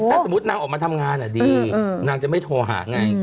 ถ้าสมมุตินางออกมาทำงานดีนางจะไม่โทรหาไง